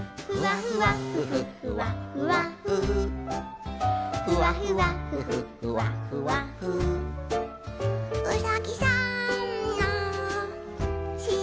「ふわふわふわふわふわふふふわふわふわふわふわ」